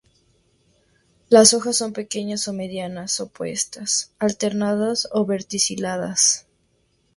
Las hojas son pequeñas o medianas opuestas, alternadas o verticiladas.